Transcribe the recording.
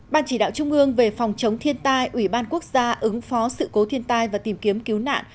ban chỉ đạo trung ương về phòng chống thiên tai ủy ban quốc gia ứng phó sự cố thiên tai và tìm kiếm cứu nạn